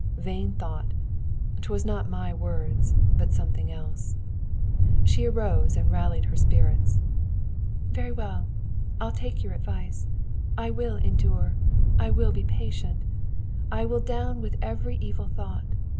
Vain thought! 'Twas not my words, but something else. She arose and rallied her spirits. "Very well! I'll take your advice. I will endure. I will be patient. I will down with every evil thought.